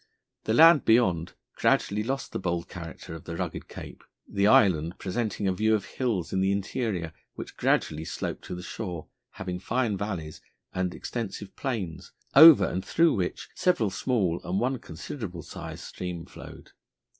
The land beyond gradually lost the bold character of the rugged cape, the island presenting a view of hills in the interior which gradually sloped to the shore, having fine valleys and extensive plains, over and through which several small and one considerable sized stream flowed.